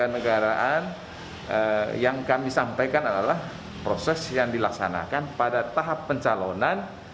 negaraan yang kami sampaikan adalah proses yang dilaksanakan pada tahap pencalonan